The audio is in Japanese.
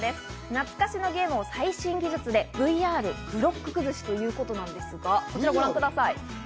懐かしのゲームを最新技術でＶＲブロック崩しということなんですが、こちらをご覧ください。